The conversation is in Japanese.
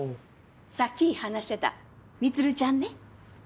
さっき話してた充ちゃんね。